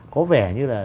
có vẻ như là